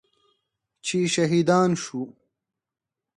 چې شهیدان شو.